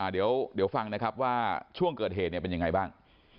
เดี๋ยวฟังนะครับว่าช่วงเกิดเหตุเป็นยังไงบ้าง